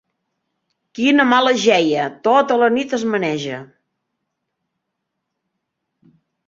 Quina mala jeia: tota la nit es maneja!